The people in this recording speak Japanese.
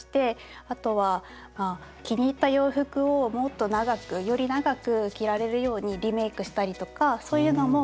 あとはまあ気に入った洋服をもっと長くより長く着られるようにリメイクしたりとかそういうのもやっています。